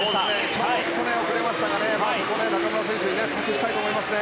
ちょっと遅れましたが中村選手に託したいですね。